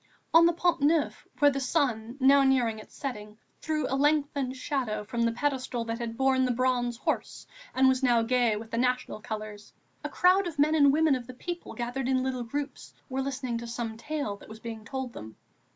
On the Pont Neuf, where the sun, now near its setting, threw a lengthened shadow from the pedestal that had borne the Bronze Horse and was now gay with the National colours, a crowd of men and women of the people gathered in little groups were listening to some tale that was being told them.